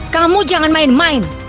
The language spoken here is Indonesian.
kamu jangan main main